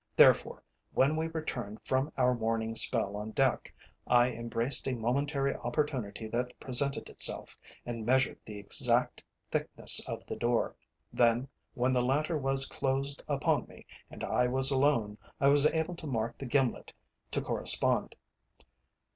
Therefore, when we returned from our morning spell on deck, I embraced a momentary opportunity that presented itself, and measured the exact thickness of the door. Then when the latter was closed upon me and I was alone, I was able to mark the gimlet to correspond.